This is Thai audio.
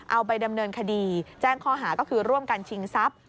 เอาไปดำเนินคดีแจ้งข้อหาก็คือร่วมกันชิงทรัพย์